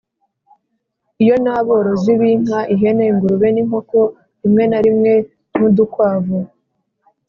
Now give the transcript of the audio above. Iyo naborozi b’inka, ihene ,ingurube, n’inkoko rimwe na rimwe n’udukwavu